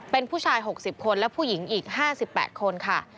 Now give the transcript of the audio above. เป็นผู้ชาย๖๐คนและผู้หญิงอีก๕๘คนค่ะ